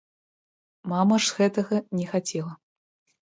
Мама ж гэтага не хацела.